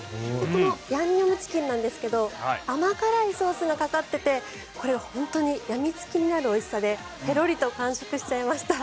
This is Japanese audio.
このヤンニョムチキンですが甘辛いソースがかかっててこれ、本当にやみつきになるおいしさでぺろりと完食しちゃいました。